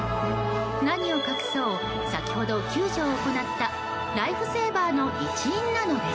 何を隠そう先ほど救助を行ったライフセーバーの一員なのです。